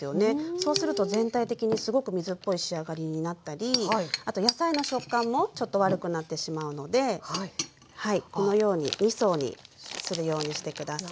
そうすると全体的にすごく水っぽい仕上がりになったりあと野菜の食感もちょっと悪くなってしまうのでこのように２層にするようにして下さい。